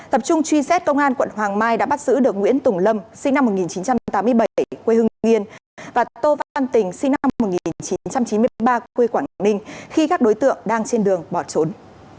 tập trung truy xét công an quận hoàng mai đã bắt giữ được nguyễn tùng lâm sinh năm một nghìn chín trăm tám mươi bảy quê hương hương yên và tô văn tình sinh năm một nghìn chín trăm chín mươi ba quê quảng ninh khi các đối tượng đang trên đường bỏ trốn